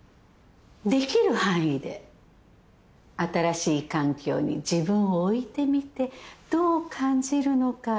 できる範囲で新しい環境に自分を置いてみてどう感じるのか